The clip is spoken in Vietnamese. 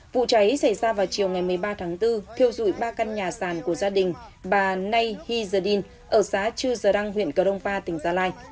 vụ cháy xảy ra vào chiều ngày một mươi ba tháng bốn thiêu dụi ba căn nhà sàn của gia đình bà nay hizadin ở xá chư giờ đăng huyện cờ đông pha tỉnh gia lai